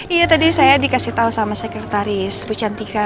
iya tadi saya di kasih tau sama sekretaris bu cantika